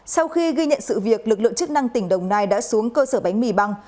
sau khi ghi nhận sự việc lực lượng chức năng tỉnh đồng nai đã xuống cơ sở bánh mì băng